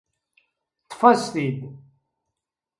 Ṭṭef-as-t-id.